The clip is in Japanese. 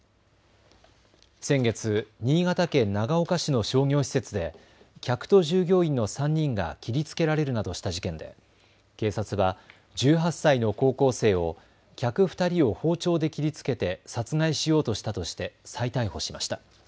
先月、新潟県長岡市の商業施設で客と従業員の３人が切りつけられるなどした事件で警察は１８歳の高校生を客２人を包丁で切りつけて殺害しようとしたとして再逮捕しました。